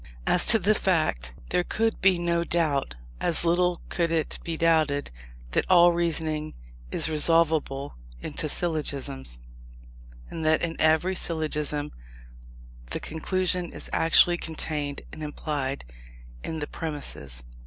As to the fact, there could be no doubt. As little could it be doubted, that all reasoning is resolvable into syllogisms, and that in every syllogism the conclusion is actually contained and implied in the premises.